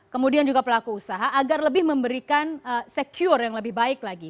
kemudian juga pelaku usaha agar lebih memberikan secure yang lebih baik lagi